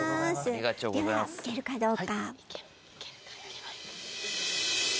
では行けるかどうか。